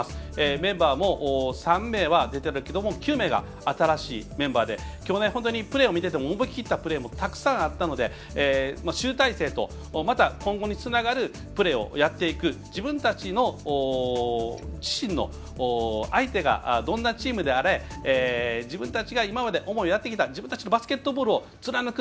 メンバーも３名は出てるけど９名が新しいメンバーできょうプレーを見てても思い切ったプレーもたくさんあったので集大成と、また今後につながるプレーをやっていく、自分たち自身の相手がどんなチームであれ自分たちが今まで思うようにやってきた自分たちのバスケットボールを貫く。